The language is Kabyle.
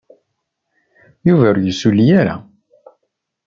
Yuba ur yessulli ara.